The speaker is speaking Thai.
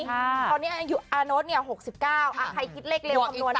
คราวนี้อานโน๊ตเนี่ย๖๙อ่ะใครคิดเลขเรียงคำนวณหน่อย